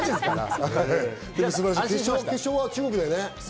決勝は中国だよね？